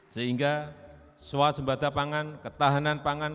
sehingga swasembata pangan ketahanan pangan